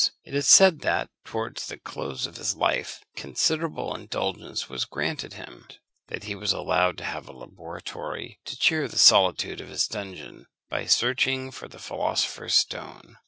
It is said that, towards the close of his life, considerable indulgence was granted him; that he was allowed to have a laboratory, and to cheer the solitude of his dungeon by searching for the philosopher's stone.